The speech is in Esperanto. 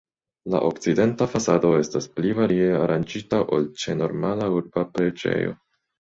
La okcidenta fasado estas pli varie aranĝita ol ĉe normala urba preĝejo.